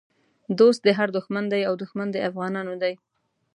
دوست د هر دښمن دی او دښمن د افغانانو دی